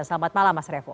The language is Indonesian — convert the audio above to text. selamat malam mas revo